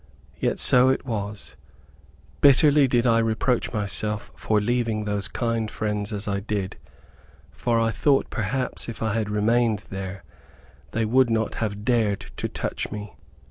Yet so it was. Bitterly did I reproach myself for leaving those kind friends as I did, for I thought perhaps if I had remained there, they would not have dared to touch me.